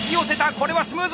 これはスムーズ！